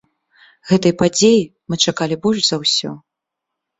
Гэтай падзеі мы чакалі больш за ўсё.